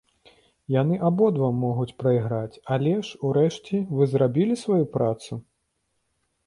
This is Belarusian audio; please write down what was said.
Яны абодва могуць прайграць, але ж, урэшце, вы зрабілі сваю працу?